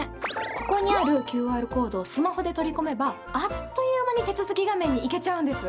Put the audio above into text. ここにあるＱＲコードをスマホで取り込めばあっという間に手続き画面に行けちゃうんです。